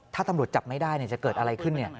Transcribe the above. ถ้าตำรวจจับไม่ได้จะเกิดอะไรขึ้น